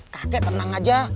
kakek tenang aja